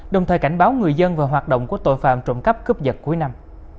đồng thời cảnh báo người dân và hoạt động của tội phạm trộm cắp cướp giật cuối năm